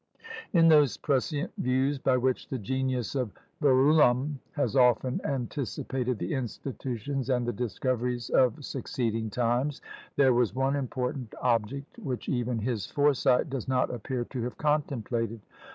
In those prescient views by which the genius of Verulam has often anticipated the institutions and the discoveries of succeeding times, there was one important object which even his foresight does not appear to have contemplated.